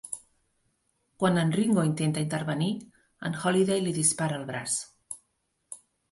Quan en Ringo intenta intervenir, en Holliday li dispara al braç.